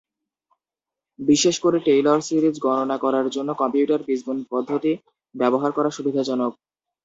বিশেষ করে Taylor series গণনা করার জন্য কম্পিউটার বীজগণিত পদ্ধতি ব্যবহার করা সুবিধাজনক।